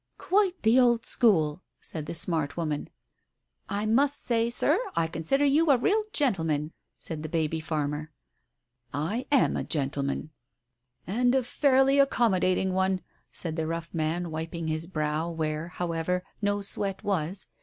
"Quite the old school 1 " said the smart woman. " I must say, Sir, — I consider you the real gentleman," said the baby farmer. "lama gentleman." "And a fairly accommodating one! " said the rough man, wiping his brow where, however, no sweat was.